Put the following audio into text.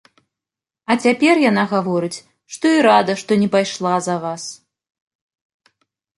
А цяпер яна гаворыць, што і рада, што не пайшла за вас.